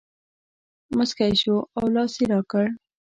مسکی شو او لاس یې راکړ.